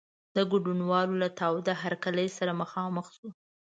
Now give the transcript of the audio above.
د ګډونوالو له خوا تاوده هرکلی سره مخامخ شو.